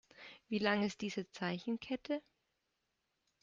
Wie lang ist diese Zeichenkette?